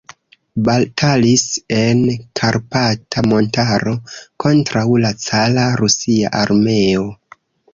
Batalis en Karpata montaro kontraŭ la cara rusia armeo.